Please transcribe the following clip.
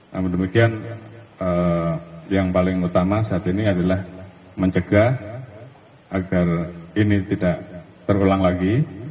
namun demikian yang paling utama saat ini adalah mencegah agar ini tidak terulang lagi